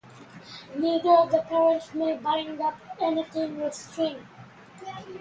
Neither of the parents may bind up anything with string.